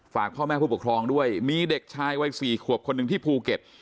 พ่อแม่ผู้ปกครองด้วยมีเด็กชายวัย๔ขวบคนหนึ่งที่ภูเก็ต